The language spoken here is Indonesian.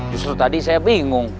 justru tadi saya bingung